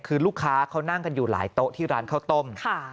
คือลูกค้าเขานั่งกันอยู่หลายโต๊ะที่ร้านข้าวต้ม